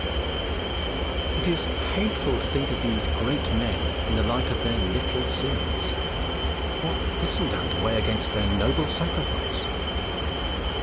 It is hateful to think of these great men in the light of their little sins. What thistledown to weigh against their noble sacrifice!